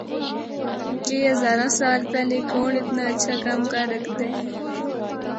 کہ ہزاراں سال پہلا کونڑ اتنا ہچھا کم کر ہکدا ہے۔